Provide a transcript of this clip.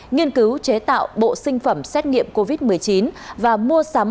nghiên cứu chế tạo bộ sinh phẩm xét nghiệm covid một mươi chín và mua sắm